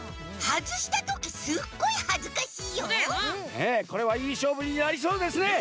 ねえこれはいいしょうぶになりそうですね。